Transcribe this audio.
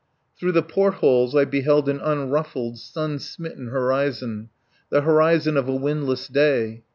Through the port holes I beheld an unruffled, sun smitten horizon. The horizon of a windless day.